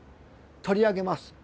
取り上げます。